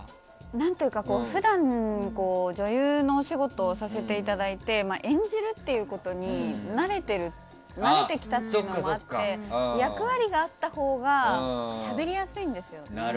何というか普段女優のお仕事をさせていただいて演じるということに慣れてきたというのもあって役割があったほうがしゃべりやすいんですよね。